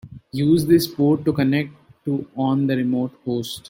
Use this port to connect to on the remote host.